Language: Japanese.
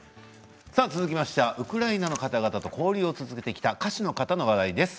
続きましては、ウクライナの方々と交流を続けてきた歌手の話題です。